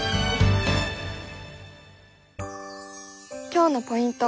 今日のポイント